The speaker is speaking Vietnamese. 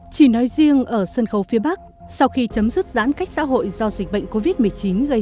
chỉ nói riêng ở sân khấu phía bắc sau khi chấm dứt giãn cách xã hội do dịch bệnh cô viết một mươi chín gây